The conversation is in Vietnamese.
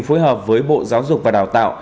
phối hợp với bộ giáo dục và đào tạo